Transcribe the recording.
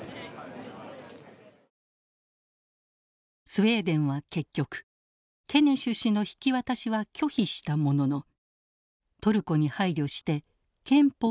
スウェーデンは結局ケネシュ氏の引き渡しは拒否したもののトルコに配慮して憲法を改正。